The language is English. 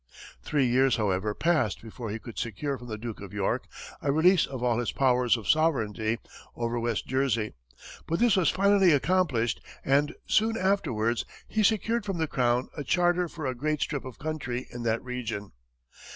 Three years, however, passed before he could secure from the Duke of York a release of all his powers of sovereignty over West Jersey, but this was finally accomplished, and soon afterwards he secured from the crown a charter for a great strip of country in that region.